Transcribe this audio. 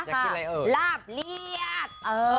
ราบเลือด